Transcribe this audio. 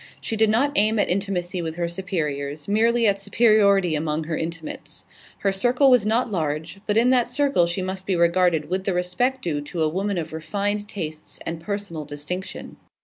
She did not aim at intimacy with her superiors; merely at superiority among her intimates. Her circle was not large, but in that circle she must be regarded with the respect due to a woman of refined tastes and personal distinction.